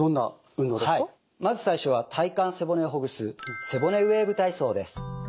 まず最初は体幹背骨をほぐす背骨ウェーブ体操です。